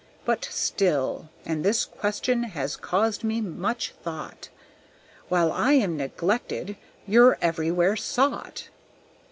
But still, and this question has caused me much thought, While I am neglected, you're everywhere sought."